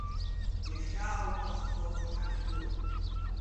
Иахьаауҭаххо ҳахиоуп!